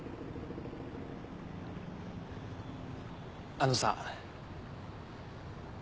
あのさ。